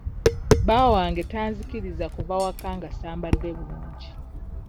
Bba wange tanzikiriza kuva waka nga sambadde bulungi.